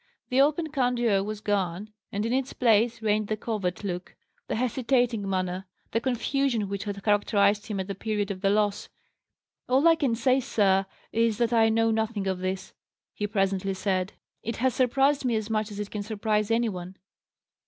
The open candour was gone: and in its place reigned the covert look, the hesitating manner, the confusion which had characterized him at the period of the loss. "All I can say, sir, is, that I know nothing of this," he presently said. "It has surprised me as much as it can surprise any one."